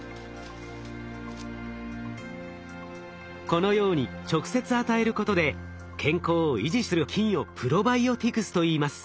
このように直接与えることで健康を維持する菌をプロバイオティクスといいます。